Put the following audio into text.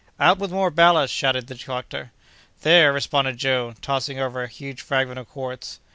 "Out with more ballast!" shouted the doctor. "There!" responded Joe, tossing over a huge fragment of quartz.